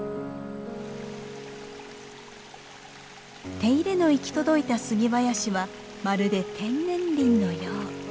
手入れの行き届いた杉林はまるで天然林のよう。